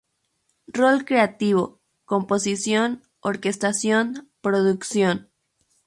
Rol Creativo: "Composición, Orquestación, Producción.